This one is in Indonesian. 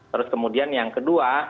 terus kemudian yang kedua